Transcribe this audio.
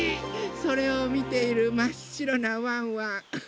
それをみているまっしろなワンワン。